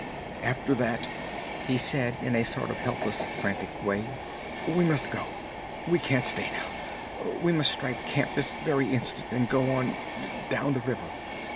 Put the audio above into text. "After that," he said in a sort of helpless, frantic way, "we must go! We can't stay now; we must strike camp this very instant and go on—down the river."